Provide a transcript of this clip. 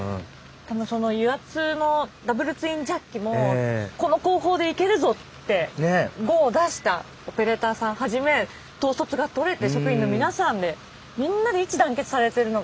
でもその油圧のダブルツインジャッキもこの工法でいけるぞってゴーを出したオペレーターさんはじめ統率がとれて職員の皆さんでみんなで一致団結されてるのがかっこよかったですよね。